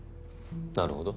なるほど。